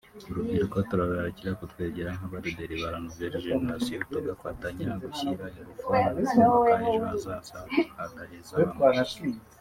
Urubyiruko turarurarikira kutwegera nk’Abalideri ba « La Nouvelle Génération « tugafatanya gushyira ingufu mu kubaka ejo hazaza hadaheza bamwe